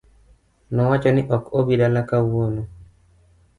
Nowacho ni ok obi dala kawuono